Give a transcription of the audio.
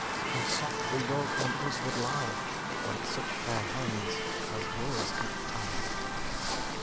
How soft the yoke on us would lye, Might such fair Hands as yours it tye!